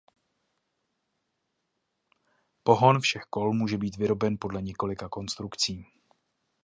Pohon všech kol může být vyroben podle několika konstrukcí.